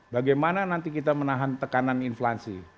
bagaimana nanti kita menahan tekanan inflasi